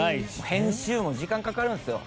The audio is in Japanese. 編集も時間かかるんですよ。